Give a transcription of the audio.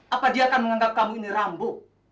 apa dia akan menganggap kamu ini rambu